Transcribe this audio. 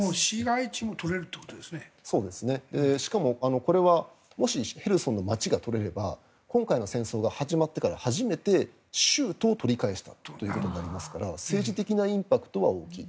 しかもこれはもしヘルソンの街が取れれば今回の戦争が始まってから初めて州都を取り返したことになりますから政治的なインパクトは大きい。